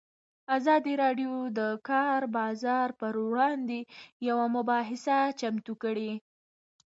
ازادي راډیو د د کار بازار پر وړاندې یوه مباحثه چمتو کړې.